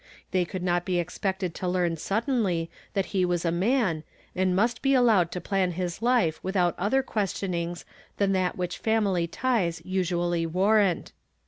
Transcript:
They could not 1)0 expected to learn suddenly that he was a man, and nnist be allowed to plan his life witliout other questionings than that which family tics usually warrant.